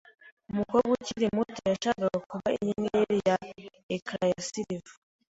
Umukobwa ukiri muto yashakaga kuba inyenyeri ya ecran ya silver.